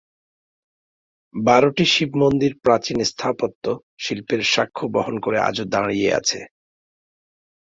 বারোটি শিবমন্দির প্রাচীন স্থাপত্য শিল্পের সাক্ষ্য বহন করে আজো দাঁড়িয়ে আছে।